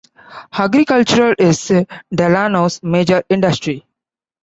Agriculture is Delano's major industry.